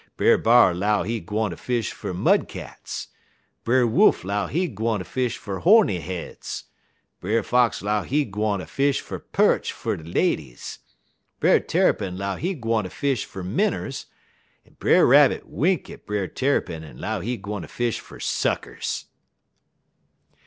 Brer B'ar 'low he gwine ter fish fer mud cats; Brer Wolf 'low he gwine ter fish fer horneyheads; Brer Fox 'low he gwine ter fish fer peerch fer de ladies; Brer Tarrypin 'low he gwine ter fish fer minners, en Brer Rabbit wink at Brer Tarrypin en 'low he gwine ter fish fer suckers.